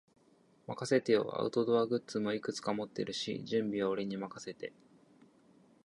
任せてよ。アウトドアグッズもいくつか持ってるし、準備は俺に任せて。